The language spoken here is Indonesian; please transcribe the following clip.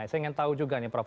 saya ingin tahu juga nih prof